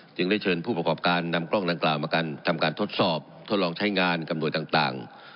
จึงได้เชิญผู้ประกอบการนำกล้องดังกล่าวมากันทำการทดสอบทดลองใช้งานกำหนดต่าง